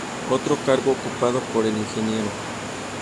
Otro cargo ocupado por el Ing.